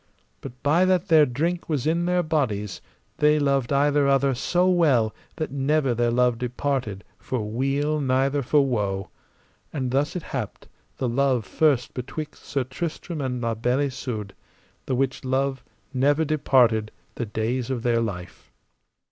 But by that their drink was in their bodies, they loved either other so well that never their love departed for weal neither for woe. And thus it happed the love first betwixt Sir Tristram and La Beale Isoud, the which love never departed the days of their life.